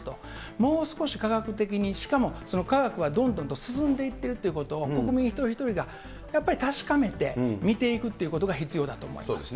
もう少し科学的に、しかも科学はどんどんと進んでいっているということを、国民一人一人がやっぱり確かめて、見ていくということが必要だと思います。